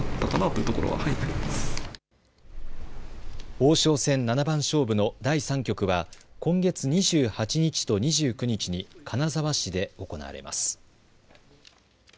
王将戦七番勝負の第３局は今月２８日と２９日に金沢市で行われます。